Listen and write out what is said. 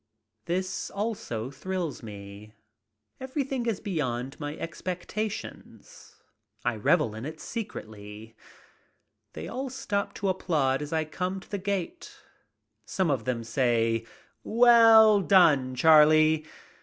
This also thrills me. Everything is beyond my expectations. I revel in it secretly. They all stop to applaud as I come to the gate. Some of them say : "Well done, Charlie."